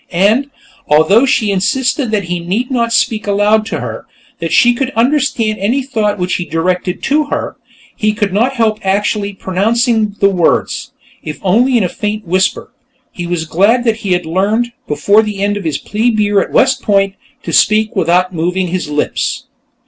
And, although she insisted that he need not speak aloud to her, that she could understand any thought which he directed to her, he could not help actually pronouncing the words, if only in a faint whisper. He was glad that he had learned, before the end of his plebe year at West Point, to speak without moving his lips.